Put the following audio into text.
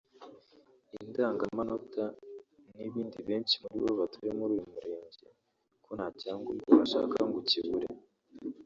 indangamanota n’ibindi benshi muri bo batuye muri uyu Murenge ko nta cyangombwa wahashaka ngo ukibure